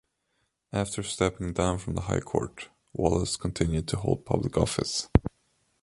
After stepping down from the high court, Wallace continued to hold public office.